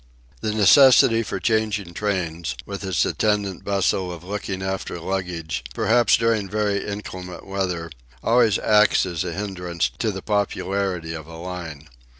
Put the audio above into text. The necessity for changing trains, with its attendant bustle of looking after luggage, perhaps during very inclement weather, always acts as a hindrance to the popularity of a line.